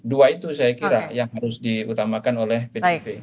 dua itu saya kira yang harus diutamakan oleh pdip